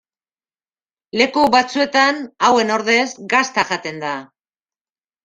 Leku batzuetan, hauen ordez, gazta jaten da.